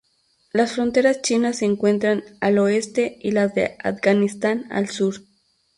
Las fronteras chinas se encuentran al oeste y las de Afganistán al sur.